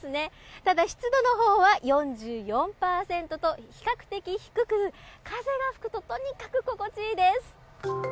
ただ、湿度のほうは４４％と比較的低く、風が吹くととにかく心地いいです！